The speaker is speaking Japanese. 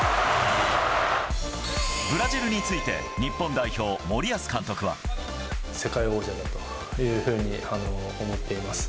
ブラジルについて、日本代表、森保監督は。世界王者だというふうに思っています。